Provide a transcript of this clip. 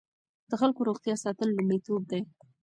د خلکو روغتیا ساتل لومړیتوب دی.